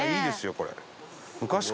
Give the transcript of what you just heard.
これ。